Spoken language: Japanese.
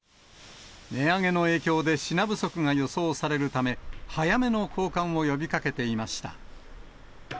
値上げの影響で品不足が予想されるため、早めの交換を呼びかけていました。